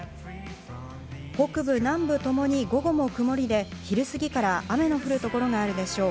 北部、南部ともに午後も曇りで昼過ぎから雨の降る所があるでしょう。